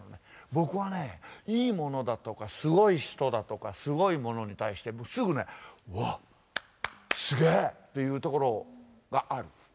僕はねいいものだとかすごい人だとかすごいものに対して僕すぐね「うわっすげえ！」って言うところがある。